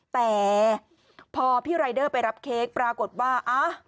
แต่พอพี่รายเดอร์ไปรับเค้กปรากฏว่า